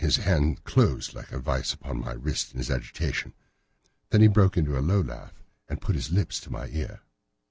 His hand closed like a vice upon my wrist in his agitation. Then he broke into a low laugh and put his lips to my ear.